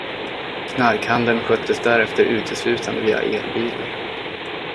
Knarkhandeln sköttes därefter uteslutande via elbilar